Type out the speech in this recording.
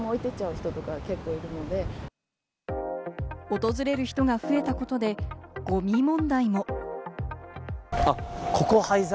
訪れる人が増えたことで、ゴミ問題も。